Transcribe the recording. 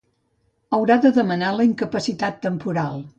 Haurà de demanar la incapacitat temporal.